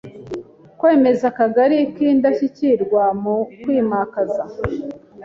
Kwemeza Akagari k’indashyikirwa mu kwimakaza